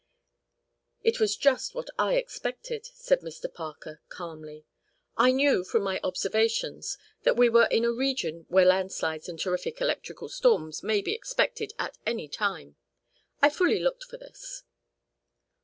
"It was just what I expected," said Mr. Parker, calmly. "I knew, from my observations, that we were in a region where landslides and terrific electrical storms may be expected at any time. I fully looked for this."